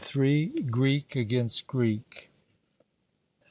GREEK AGAINST GREEK.